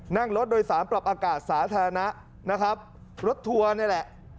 นั่งรถโดยสารปรับอากาศสาธารณะนะครับรถทัวร์นี่แหละ